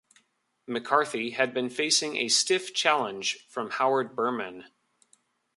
McCarthy had been facing a stiff challenge from Howard Berman.